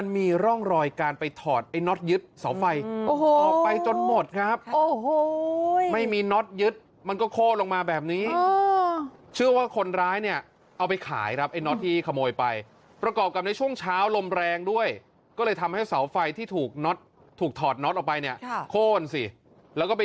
โจรโจรไปลักเอาพวกน็อตอ่ะน็อตที่ยึดตามเสาไฟฟ้า